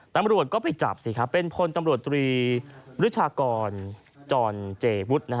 ตำรวจก็ไปจับสิครับเป็นพลตำรวจตรีรุชากรจรเจวุฒิ